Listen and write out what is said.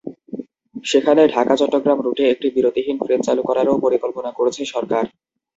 সেখানে ঢাকা-চট্টগ্রাম রুটে একটি বিরতিহীন ট্রেন চালু করারও পরিকল্পনা করছে সরকার।